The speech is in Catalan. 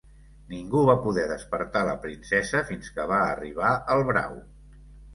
Ningú va poder despertar la princesa fins que va arribar el brau.